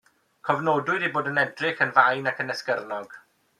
Cofnodwyd ei bod yn edrych yn fain ac esgyrnog.